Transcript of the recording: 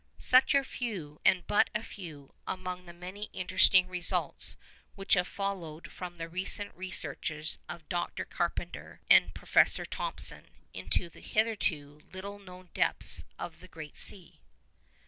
Such are a few, and but a few, among the many interesting results which have followed from the recent researches of Dr. Carpenter and Professor Thomson into the hitherto little known depths of the great sea.